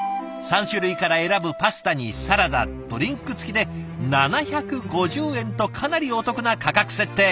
３種類から選ぶパスタにサラダドリンク付きで７５０円とかなりお得な価格設定。